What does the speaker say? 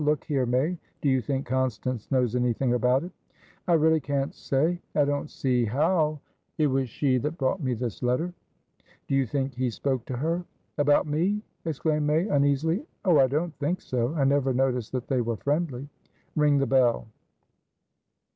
"Look here, May; do you think Constance knows anything about it?" "I really can't sayI don't see how" "It was she that brought me his letter. Do you think he spoke to her?" "About me?" exclaimed May, uneasily. "Oh! I don't think soI never noticed that they were friendly." "Ring the bell."